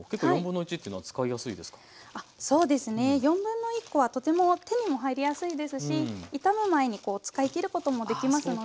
1/4コはとても手にも入りやすいですし傷む前に使いきることもできますので。